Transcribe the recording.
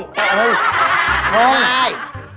ทง